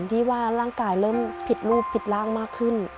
ที่ว่าร่างกายเริ่มผิดรูปผิดร่างมากขึ้น